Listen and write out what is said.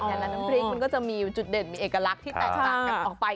แล้วน้ำพริกมันก็จะมีจุดเด่นมีเอกลักษณ์ที่แตกต่างกันออกไป